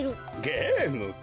ゲームか。